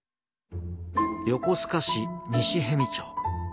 横須賀市西逸見町。